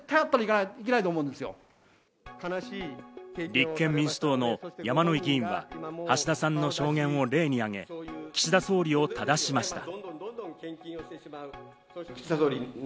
立憲民主党の山井議員は橋田さんの証言を例にあげ、岸田総理をただしました。